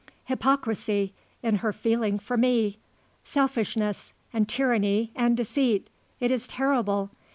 Hypocrisy in her feeling for me; selfishness and tyranny and deceit. It is terrible.